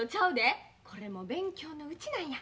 これも勉強のうちなんや。